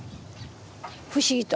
不思議と。